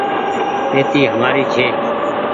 پيتي همآري ڇي۔